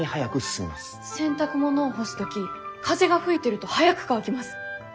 洗濯物を干す時風が吹いてると早く乾きます。